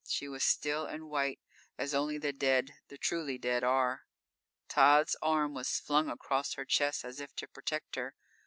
She was still and white, as only the dead the truly dead are. Tod's arm was flung across her chest, as if to protect her.